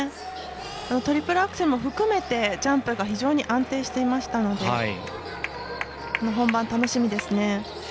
トリプルアクセルも含めてジャンプが非常に安定していましたので本番が楽しみですね。